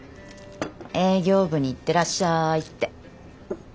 営業部に行ってらっしゃいって。